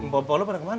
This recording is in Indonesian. bawa bawa lo pada kemana